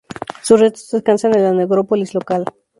Sus restos descansan en la necrópolis local.